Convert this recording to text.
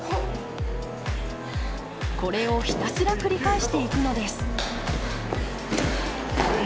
これをひたすら繰り返していくのです。